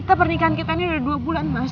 kita pernikahan kita ini udah dua bulan mas